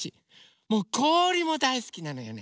こおりもだいすきなのよね。